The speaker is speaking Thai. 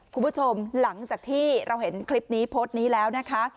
คุณผู้ชมหลังจากที่เราเห็นคลิปนี้โพสต์นี้แล้วนะคะ